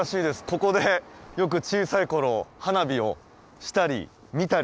ここでよく小さい頃花火をしたり見たりしてました。